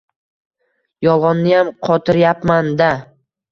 Yolg‘onniyam qotiryapman-da!